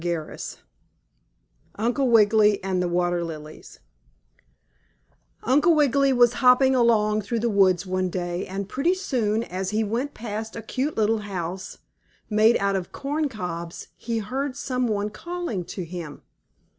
STORY XVI UNCLE WIGGILY AND THE WATER LILIES Uncle Wiggily was hopping along through the woods one day, and pretty soon, as he went past a cute little house, made out of corncobs, he heard some one calling to him.